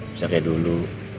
misalnya kayak dulu